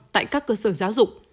tại các cơ sở giáo dục